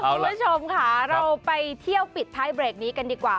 คุณผู้ชมค่ะเราไปเที่ยวปิดท้ายเบรกนี้กันดีกว่า